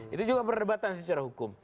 itu juga perdebatan secara hukum